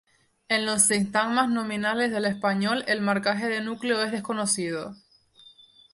En los sintagmas nominales del español el marcaje de núcleo es desconocido.